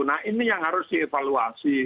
nah ini yang harus dievaluasi